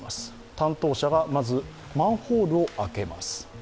担当者がまずマンホールを開けます。